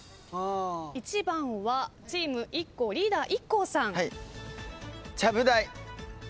１番はチームＩＫＫＯリーダーＩＫＫＯさん。